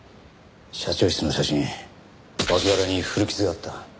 社長室の写真脇腹に古傷があった。